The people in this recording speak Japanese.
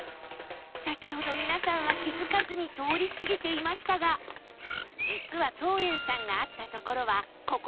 先ほど皆さんは気づかずに通り過ぎていましたが実は桃園さんがあった所はここだったんです